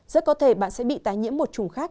rất có thể bạn sẽ bị tái nhiễm một trùng khác